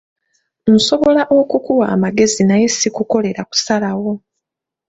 Nsobola okukuwa amagezi naye si kukolera kusalawo.